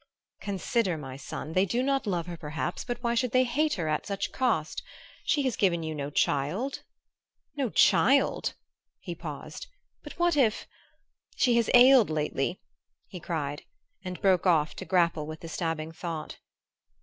"Consider, my son. They do not love her, perhaps; but why should they hate her at such cost? She has given you no child." "No child!" He paused. "But what if ? She has ailed lately!" he cried, and broke off to grapple with the stabbing thought.